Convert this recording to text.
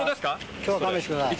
今日は勘弁してください。